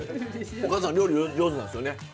お母さん料理上手なんですよね。